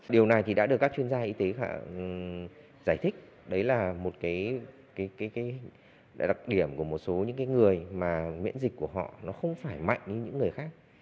điều này thì đã được các chuyên gia y tế giải thích đấy là một cái đặc điểm của một số những người mà miễn dịch của họ nó không phải mạnh như những người khác